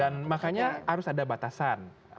dan makanya harus ada batasan